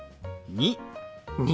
２。